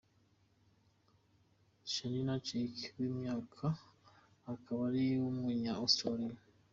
Shanina Shaik w'imyaka akaba ari umunya Australia.